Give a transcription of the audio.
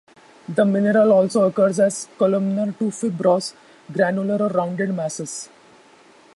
The mineral also occurs as columnar to fibrous, granular or rounded masses.